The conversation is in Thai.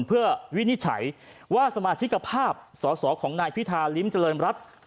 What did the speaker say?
เพื่อวินิจฉัยว่าสมาชิกภาพสอสอของนายพิธาลิ้มเจริญรัฐ